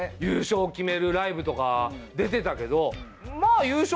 優勝決めるライブとか出てたけど。